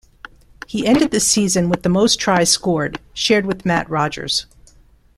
He ended the season with the most tries scored, shared with Mat Rogers.